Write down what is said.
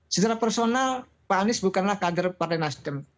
secara personal pak anies bukanlah kader partai nasdem